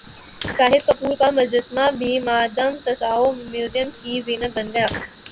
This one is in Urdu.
شاہد کپور کا مجسمہ بھی مادام تساو میوزم کی زینت بن گیا